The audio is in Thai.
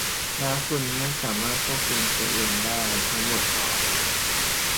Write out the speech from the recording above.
แล้วคุณไม่สามารถควบคุมตัวเองได้ทั้งหมดหรอ ?